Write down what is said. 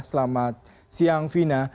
selamat siang vina